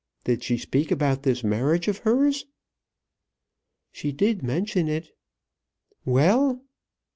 Did she speak about this marriage of hers?" "She did mention it." "Well!"